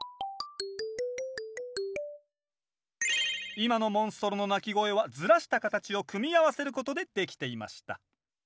今のモンストロの鳴き声はずらした形を組み合わせることでできていました。